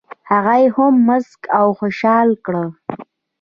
هغه یې هم مسک او خوشال کړ.